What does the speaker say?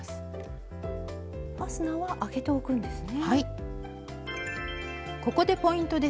ファスナーは開けておくんですね。